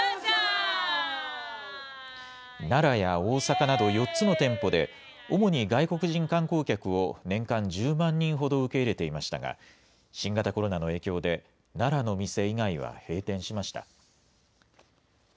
奈良や大阪など４つの店舗で、主に外国人観光客を、年間１０万人ほど受け入れていましたが、新型コロナの影響で、奈良の店以外は閉店しました。